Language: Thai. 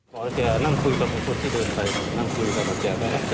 ก่อนจะนั่งคุยกับทุกคนที่เดินไปนั่งคุยกับอาจารย์